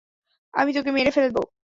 আমি তোকে মেরে ফেলব।